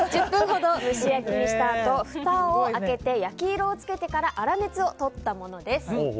１０分ほど蒸し焼きにしたあとふたを開けて焼き色を付けてから粗熱をとったものです。